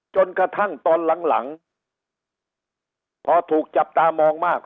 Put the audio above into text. จนกระทั่งตอนหลังพอถูกจับตามองมาก